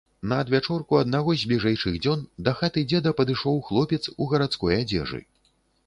На адвячорку аднаго з бліжэйшых дзён да хаты дзеда падышоў хлопец у гарадской адзежы.